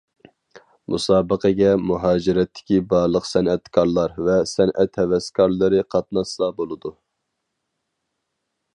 مۇسابىقىگە مۇھاجىرەتتىكى بارلىق سەنئەتكارلار ۋە سەنئەت ھەۋەسكارلىرى قاتناشسا بولىدۇ.